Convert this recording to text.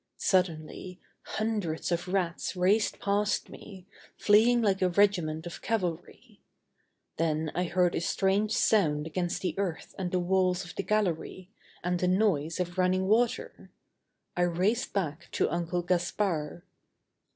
Suddenly, hundreds of rats raced past me, fleeing like a regiment of cavalry. Then I heard a strange sound against the earth and the walls of the gallery, and the noise of running water. I raced back to Uncle Gaspard.